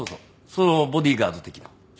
そのボディーガード的な。